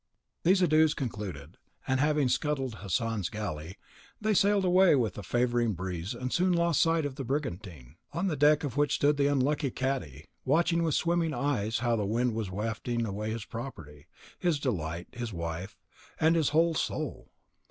These adieux concluded, and having scuttled Hassan's galley, they sailed away with a favouring breeze and soon lost sight of the brigantine, on the deck of which stood the unlucky cadi, watching with swimming eyes how the wind was wafting away his property, his delight, his wife, and his whole soul.